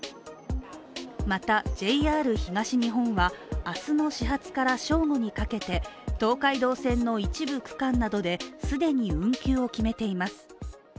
また、ＪＲ東日本は明日の始発から正午にかけて東海道線の一部区間などで既に運休を決めています。